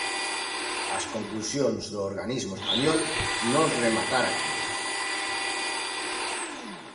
As conclusións do organismo español non rematar aquí.